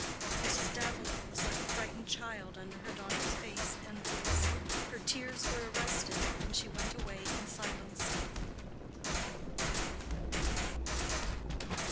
Mrs. Davilow was like a frightened child under her daughter's face and voice; her tears were arrested and she went away in silence.